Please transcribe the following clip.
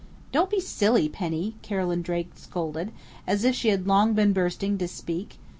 "Don't be silly, Penny!" Carolyn Drake scolded, as if she had long been bursting to speak.